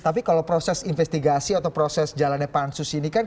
tapi kalau proses investigasi atau proses jalannya pansus ini kan